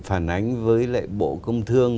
phản ánh với lại bộ công thương